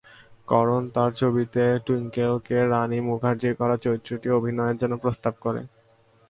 করণ তাঁর ছবিতে টুইঙ্কেলকে রানি মুখার্জির করা চরিত্রটি অভিনয়ের জন্য প্রস্তাব করেন।